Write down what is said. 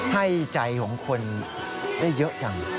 ให้ใจของคนได้เยอะจัง